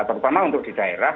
terutama untuk di daerah